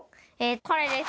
これです。